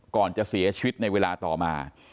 ก่อนจะเสียชีวิตในเวลาต่อมา